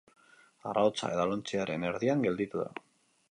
Arrautza edalontziaren erdian gelditu da!